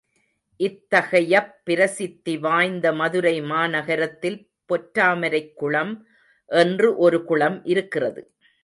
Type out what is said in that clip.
இத்தகையப் பிரசித்திவாய்ந்த மதுரை மாநாகரத்தில் பொற்றாமரைக் குளம் என்று ஒரு குளம் இருக்கிறது.